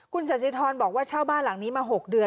คุณสัสสิทรบอกว่าเช่าบ้านหลังนี้มา๖เดือน